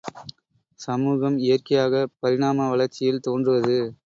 சமூகம் இயற்கையாகப் பரிணாம வளர்ச்சியில் தோன்றுவது.